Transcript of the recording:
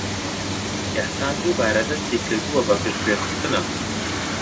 ئیحسان دووبارە دەستی کردووە بە پشتگوێخستنم.